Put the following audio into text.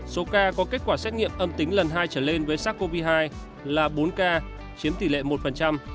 số ca có kết quả xét nghiệm âm tính lần hai trở lên với sars cov hai là bốn ca chiếm tỷ lệ một